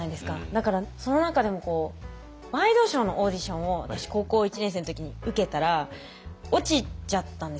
だからその中でもワイドショーのオーディションを私高校１年生の時に受けたら落ちちゃったんですよ。